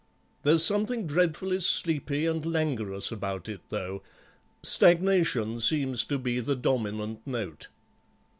There's something dreadfully sleepy and languorous about it, though; stagnation seems to be the dominant note.